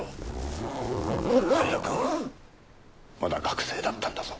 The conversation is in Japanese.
平くんまだ学生だったんだぞ。